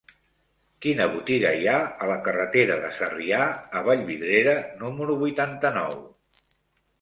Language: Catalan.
Quina botiga hi ha a la carretera de Sarrià a Vallvidrera número vuitanta-nou?